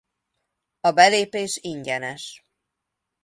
A belépés ingyenes.